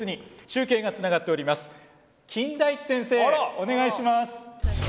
お願いします！